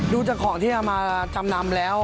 ดูจากของที่เอามาจำนำแล้ว